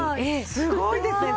すごいですね！